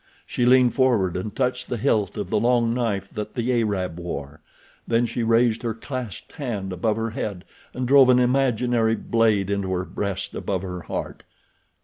She leaned forward and touched the hilt of the long knife that the Arab wore. Then she raised her clasped hand above her head and drove an imaginary blade into her breast above her heart.